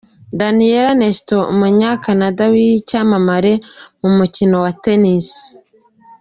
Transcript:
Daniel Nestor: Umunya-Canada w’icyamamare mu mukino wa Tennis.